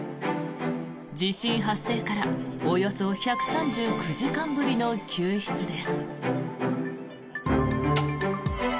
地震発生からおよそ１３９時間ぶりの救出です。